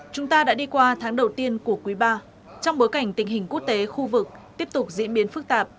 chúng ta đã đi qua tháng đầu tiên của quý ba trong bối cảnh tình hình quốc tế khu vực tiếp tục diễn biến phức tạp